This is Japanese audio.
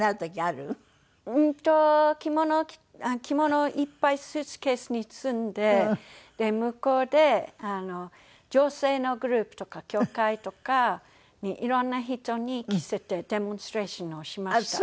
うーんと着物をいっぱいスーツケースに積んでで向こうで女性のグループとか教会とかに色んな人に着せてデモンストレーションをしました。